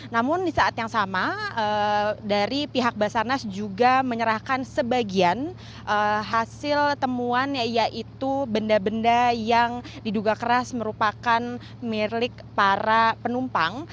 namun di saat yang sama dari pihak basarnas juga menyerahkan sebagian hasil temuan yaitu benda benda yang diduga keras merupakan milik para penumpang